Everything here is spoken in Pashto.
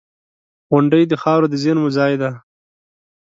• غونډۍ د خاورو د زېرمو ځای دی.